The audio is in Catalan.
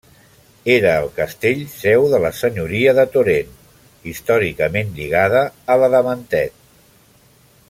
Era el castell seu de la senyoria de Torèn, històricament lligada a la de Mentet.